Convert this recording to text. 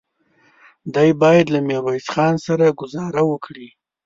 دی بايد له ميرويس خان سره ګذاره وکړي.